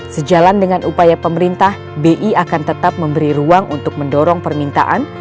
sejalan dengan upaya pemerintah bi akan tetap memberi ruang untuk mendorong permintaan